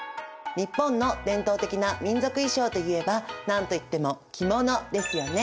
日本の伝統的な民族衣装といえば何と言っても着物ですよね。